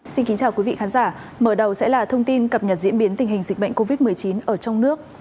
xin kính chào quý vị khán giả mở đầu sẽ là thông tin cập nhật diễn biến tình hình dịch bệnh covid một mươi chín ở trong nước